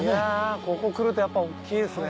ここ来るとやっぱ大っきいですね。